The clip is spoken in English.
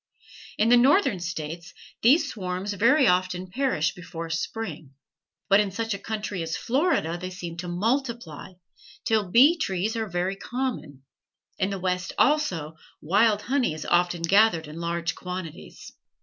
In the Northern States these swarms very often perish before spring; but in such a country as Florida they seem to multiply, till bee trees are very common. In the West, also, wild honey is often gathered in large quantities.